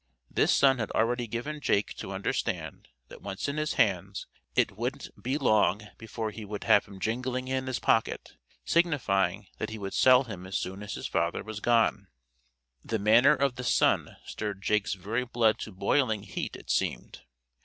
This son had already given Jake to understand that once in his hands it "wouldn't be long before he would have him jingling in his pocket," signifying, that he would sell him as soon as his father was gone. The manner of the son stirred Jake's very blood to boiling heat it seemed.